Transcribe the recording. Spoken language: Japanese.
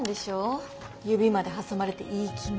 指まで挟まれていい気味。